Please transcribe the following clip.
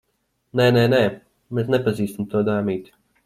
Nē, nē, nē. Mēs nepazīstam to dāmīti.